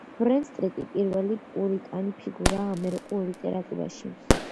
ბრედსტრიტი პირველი პურიტანი ფიგურაა ამერიკულ ლიტერატურაში.